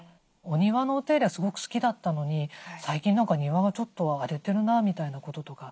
お庭のお手入れがすごく好きだったのに最近何か庭がちょっと荒れてるなみたいなこととか。